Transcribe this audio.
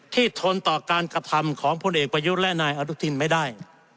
ทนต่อการกระทำของพลเอกประยุทธ์และนายอนุทินไม่ได้